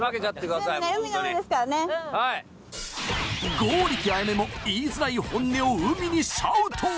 剛力彩芽も言いづらい本音を海にシャウト。